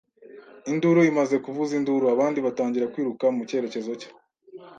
Induru imaze kuvuza induru, abandi batangira kwiruka mu cyerekezo cye.